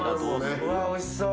うわっおいしそう！